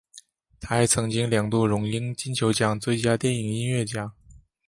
他还曾经两度荣膺金球奖最佳电影音乐奖。